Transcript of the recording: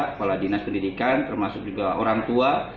kepala dinas pendidikan termasuk juga orang tua